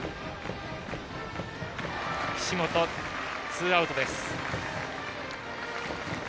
ツーアウトです。